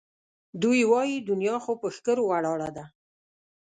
دوی وایي دنیا خو پهٔ ښکرو ولاړه ده